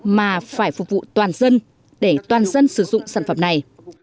mà phải phục vụ toàn dân để toàn dân sử dụng sản phẩm này